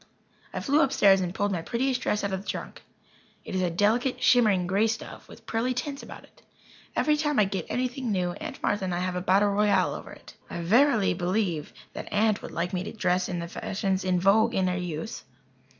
I flew upstairs and pulled my prettiest dress out of my trunk. It is a delicate, shimmering grey stuff with pearly tints about it. Every time I get anything new, Aunt Martha and I have a battle royal over it. I verily believe that Aunt would like me to dress in the fashions in vogue in her youth.